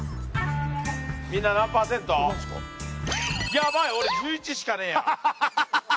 ヤバい俺１１しかねえや。